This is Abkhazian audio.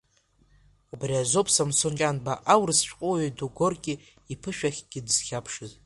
Убри азоуп Сомсон Ҷанба аурыс шәҟәыҩҩы ду Горки иԥышәахьгьы дызхьаԥшыз.